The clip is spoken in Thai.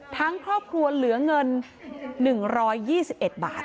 ครอบครัวเหลือเงิน๑๒๑บาท